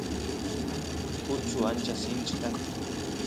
uchu ancha sinchi kan